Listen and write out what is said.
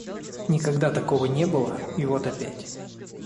никогда такого не было,и вот опять.